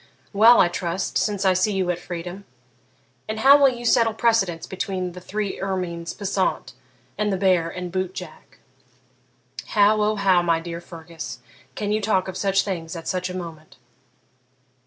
Well, I trust, since I see you at freedom. And how will you settle precedence between the three ermines passant and the bear and boot jack?' 'How, O how, my dear Fergus, can you talk of such things at such a moment!'